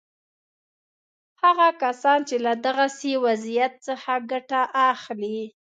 هغه کسان چې له دغسې وضعیت څخه ګټه اخلي.